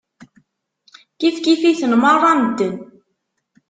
Kifkif-iten meṛṛa medden.